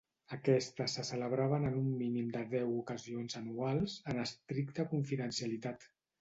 Aquestes se celebraven en un mínim de deu ocasions anuals, en estricta confidencialitat.